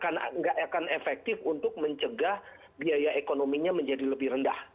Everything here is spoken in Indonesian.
karena nggak akan efektif untuk mencegah biaya ekonominya menjadi lebih rendah